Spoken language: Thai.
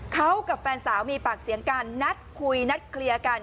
เขากับแฟนสาวมีปากเสียงกันนัดคุยนัดเคลียร์กัน